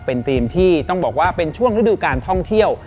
เป็นทีมที่ต้องบอกว่าเป็นช่วงฤดูการท่องเที่ยว